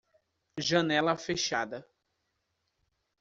Janela fechada.